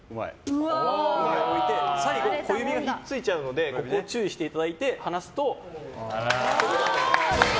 置いて最後、小指がひっついちゃうのでここを注意していただいて離すと。